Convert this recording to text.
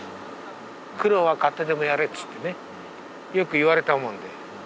苦労は買ってでもやれっつってねよく言われたもんで。